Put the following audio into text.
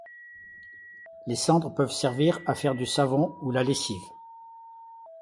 Les cendres peuvent servir à faire du savon ou la lessive.